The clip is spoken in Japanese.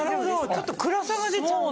ちょっと暗さが出ちゃうのか。